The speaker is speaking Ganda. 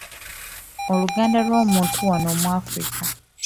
Oluganda lw’omuntu wano mu Afirika.